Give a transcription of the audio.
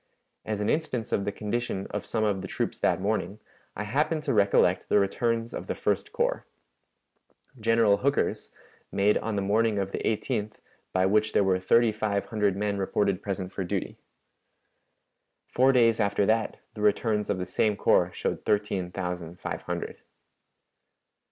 As an instance of the condition of some of the troops that morning, I happen to recollect the returns of the First Corps. General Hooker's, made on the morning of the 18th, by which there were thirty five hundred men reported present for duty. Four days after that, the returns of the same corps showed thirteen thousand five hundred."